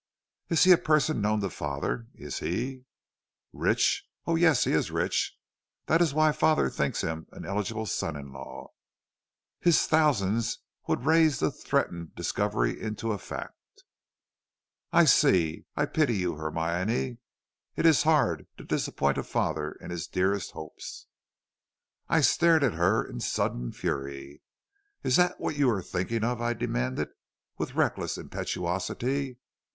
"'Is he a person known to father? Is he ' "'Rich? Oh, yes; he is rich. That is why father thinks him an eligible son in law. His thousands would raise the threatened discovery into a fact.' "'I see. I pity you, Hermione. It is hard to disappoint a father in his dearest hopes.' "I stared at her in sudden fury. "'Is that what you are thinking of?' I demanded, with reckless impetuosity.